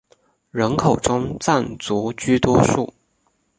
人口中藏族居多数。